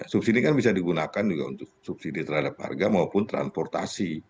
subsidi kan bisa digunakan juga untuk subsidi terhadap harga maupun transportasi